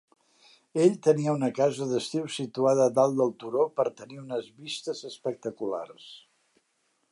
Ell tenia una casa d'estiu situada dalt del turó per tenir unes vistes espectaculars.